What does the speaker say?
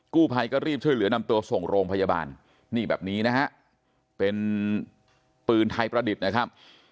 กู้ภัยก็รีบช่วยเหลือนำตัวส่งโรงพยาบาลนี่แบบนี้นะฮะเป็นปืนไทยประดิษฐ์นะครับ